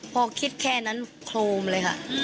พอคิดแค่นั้นโครมเลยค่ะ